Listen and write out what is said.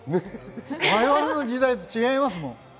我々の時代と違いますもん。